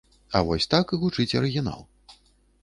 А вось так гучыць арыгінал.